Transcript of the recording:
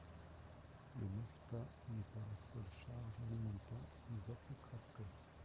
Le naphta n'est pas la seule charge alimentant un vapocraqueur.